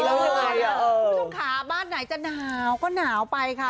คุณผู้ชมขาบ้านไหนจะหนาวก็หนาวไปค่ะ